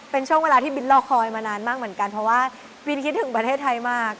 เป็นช่วงเวลาที่บินรอคอยมานานมากเหมือนกันเพราะว่าบินคิดถึงประเทศไทยมาก